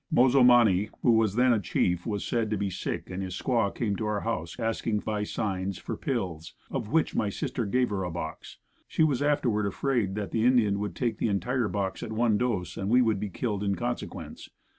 Mo zo man e who was then a chief, was said to be sick and his squaw came to our house asking by signs for pills, of which my sister gave her a box. She was afterward afraid that the Indian would take the entire box at one dose and we would be killed in consequence.